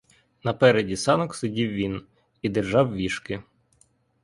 На переді санок сидів він і держав віжки.